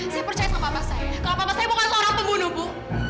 saya percaya sama bapak saya kalau bapak saya bukan seorang pembunuh bu